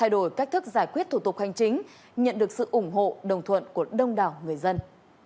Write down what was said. đổi cách thức giải quyết thủ tục hành chính nhận được sự ủng hộ đồng thuận của đông đảo người dân